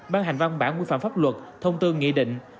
ban hành văn bản quy phạm pháp luật thông tư nghị định